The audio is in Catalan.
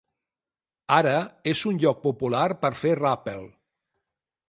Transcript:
Ara és un lloc popular per fer ràpel.